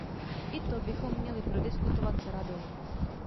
I to bychom měli prodiskutovat s Radou.